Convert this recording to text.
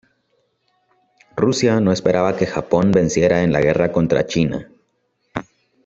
Rusia no esperaba que Japón venciera en la guerra contra China.